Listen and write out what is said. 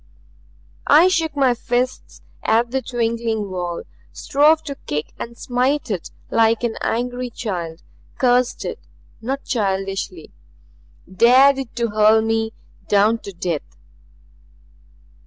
I shook my fists at the twinkling wall, strove to kick and smite it like an angry child, cursed it not childishly. Dared it to hurl me down to death.